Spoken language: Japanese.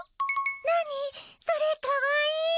それかわいい！